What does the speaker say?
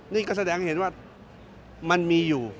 นี่ก็แสดงเห็นว่ามันมีอยู่